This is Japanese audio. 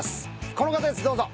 この方ですどうぞ。